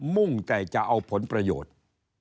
มุ่งแต่จะเอาผลประโยชน์